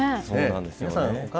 そうなんですよね。